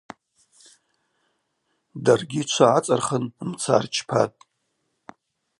Даргьи чва гӏацырхын, мца рчпатӏ.